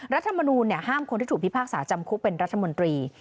รัฐมนูลห้ามคนที่ถูกพิพากษาจำคุกเป็นรัฐมนตรี